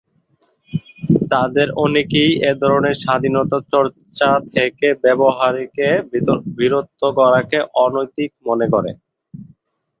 তাদের অনেকেই এধরনের স্বাধীনতা চর্চা থেকে ব্যবহারকারীকে বিরত করাকে অনৈতিক মনে করে।